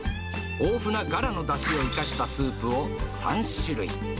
豊富なガラのだしを生かしたスープを３種類。